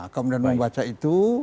kemudian membaca itu